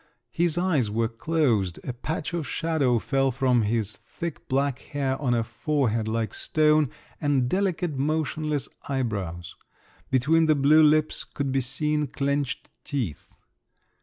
His eyes were closed, a patch of shadow fell from his thick black hair on a forehead like stone, and delicate, motionless eyebrows; between the blue lips could be seen clenched teeth.